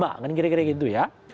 lah kan kira kira gitu ya